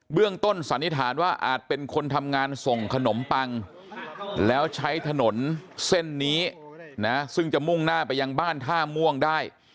เรื่องต้นสันนิษฐานว่าอาจเป็นคนทำงานส่งขนมปังแล้วใช้ถนนเส้นนี้นะซึ่งจะมุ่งหน้าไปยังบ้านท่าม่วงได้